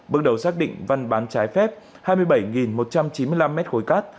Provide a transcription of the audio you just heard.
bước đầu xác định văn bán trái phép hai mươi bảy một trăm chín mươi năm mét khối cát